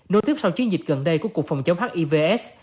nối tiếp sau chiến dịch gần đây của cuộc phòng chống hiv s